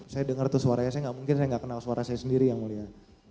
saya dengar itu suaranya saya nggak mungkin saya nggak kenal suara saya sendiri yang mulia